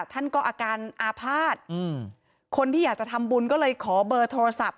ท่านก็อาการอาภาษณ์คนที่อยากจะทำบุญก็เลยขอเบอร์โทรศัพท์